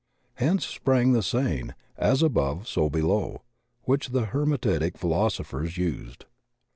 Hence sprang the saying, "as above so below" which the Hermetic philosophers used.